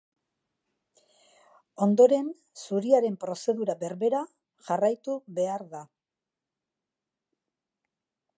Ondoren, zuriaren prozedura berbera jarraitu behar da.